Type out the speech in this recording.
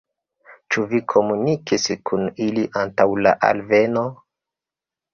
Ĉu vi komunikis kun ili antaŭ la alveno?